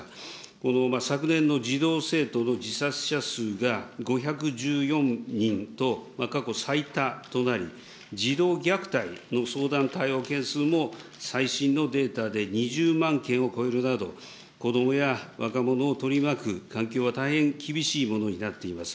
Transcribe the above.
この昨年の児童・生徒の自殺者数が５１４人と、過去最多となり、児童虐待の相談対応件数も最新のデータで２０万件を超えるなど、子どもや若者を取り巻く環境は大変厳しいものになっています。